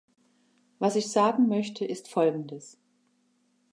Was ich sagen möchte, ist Folgendes.